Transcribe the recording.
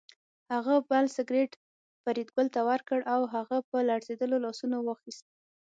هغه بل سګرټ فریدګل ته ورکړ او هغه په لړزېدلو لاسونو واخیست